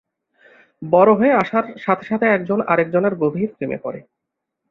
বড়ো হয়ে আসার সাথে সাথে একজন আরেকজনের গভীর প্রেমে পড়ে।